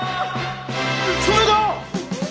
それだ！